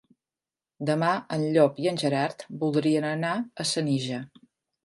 Demà en Llop i en Gerard voldrien anar a Senija.